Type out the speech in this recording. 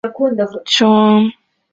穿着统一的白底红衬骑士装。